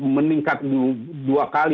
meningkat dua kali